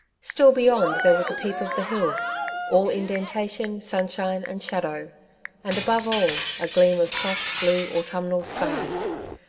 Still beyond there was a peep of the hills — all indentation, sunshine and shadow; and above all, a gleam of soft, blue antnmnal sky.